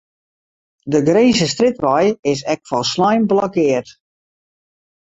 De Grinzerstrjitwei is ek folslein blokkeard.